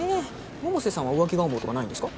百瀬さんは浮気願望とかないんですか？